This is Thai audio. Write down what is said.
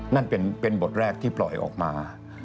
นั่นเป็นบทแรกที่ปล่อยออกมา